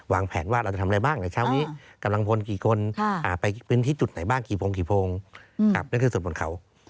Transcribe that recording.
แผนว่าเราจะทำอะไรบ้างในเช้านี้กำลังพลกี่คนไปพื้นที่จุดไหนบ้างกี่พงกี่พงนั่นคือส่วนบนเขา